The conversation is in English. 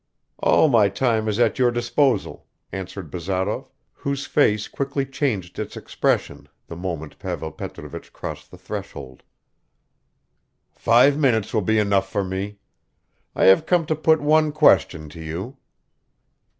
"All my time is at your disposal," answered Bazarov, whose face quickly changed its expression the moment Pavel Petrovich crossed the threshold. "Five minutes will be enough for me. I have come to put one question to you."